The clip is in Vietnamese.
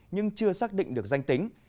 nhưng chưa xác định được danh tính